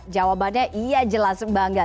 jawabannya iya jelas bangga